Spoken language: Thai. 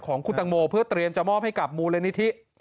ของคุณตังโมเพื่อเตรียมจะมอบให้กับมูลนิธิ